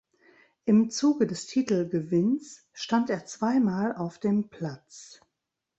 Im Zuge des Titelgewinns stand er zwei Mal auf dem Platz.